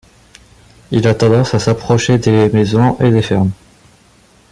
Il a tendance à s'approcher des maisons et des fermes.